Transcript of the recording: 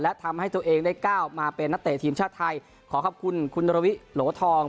และทำให้ตัวเองได้ก้าวมาเป็นนักเตะทีมชาติไทยขอขอบคุณคุณนรวิโหลทอง